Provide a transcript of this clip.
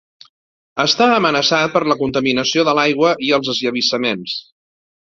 Està amenaçat per la contaminació de l'aigua i els esllavissaments.